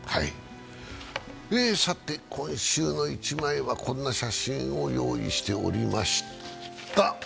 「今週の一枚」はこんな写真を用意しておりました。